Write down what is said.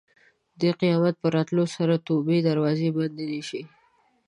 د قیامت په راتلو سره د توبې دروازه بنده نه شي.